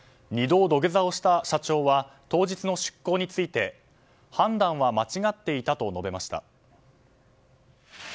２度土下座をした社長は当日の出航について判断は間違っていたと述べました。